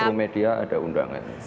kru media ada undangannya